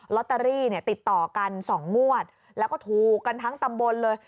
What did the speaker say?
ลอตเตอรี่เนี่ยติดต่อกัน๒งวดแล้วก็ถูกกันทั้งตำบลเลย